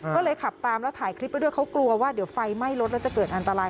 ก็เลยขับตามแล้วถ่ายคลิปไปด้วยเขากลัวว่าเดี๋ยวไฟไหม้รถแล้วจะเกิดอันตราย